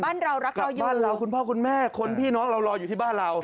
กลับบ้านเราคุณพ่อคุณแม่คนพี่น้องเรารออยู่ที่บ้านเรา